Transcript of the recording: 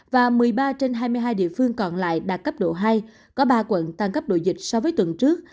và một mươi ba trên hai mươi hai địa phương còn lại đạt cấp độ hai có ba quận tăng cấp độ dịch so với tuần trước